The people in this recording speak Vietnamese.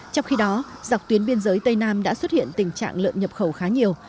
trong khi đó dọc tuyến biên giới tây nam đã xuất hiện tình trạng lợn nhập khẩu